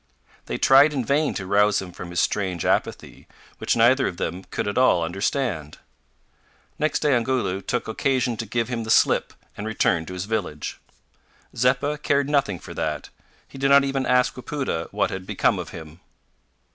They tried in vain to rouse him from his strange apathy which neither of them could at all understand. Next day Ongoloo took occasion to give him the slip, and returned to his village. Zeppa cared nothing for that. He did not even ask Wapoota what had become of him.